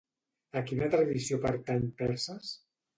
A quina tradició pertany Perses?